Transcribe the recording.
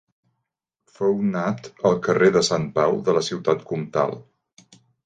Fou nat al carrer de Sant Pau de la ciutat comtal.